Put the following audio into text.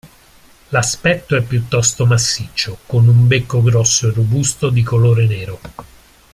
L'aspetto è piuttosto massiccio, con un becco grosso e robusto di colore nero.